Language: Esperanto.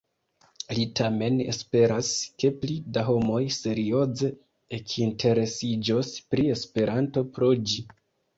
Li tamen esperas, ke pli da homoj serioze ekinteresiĝos pri Esperanto pro ĝi.